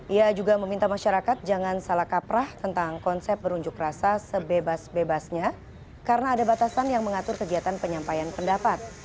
ia juga meminta masyarakat jangan salah kaprah tentang konsep berunjuk rasa sebebas bebasnya karena ada batasan yang mengatur kegiatan penyampaian pendapat